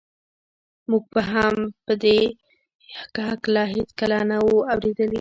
موږ په دې هکله هېڅکله څه نه وو اورېدلي